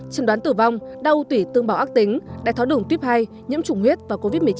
chứng đoán tử vong đa ưu tủy tương bào ác tính đại tháo đường tuyếp hai nhiễm chủng huyết và covid một mươi chín